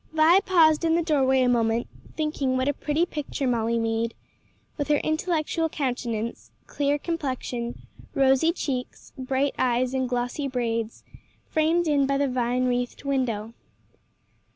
Vi paused in the doorway a moment, thinking what a pretty picture Molly made with her intellectual countenance, clear complexion, rosy cheeks, bright eyes and glossy braids framed in by the vine wreathed window.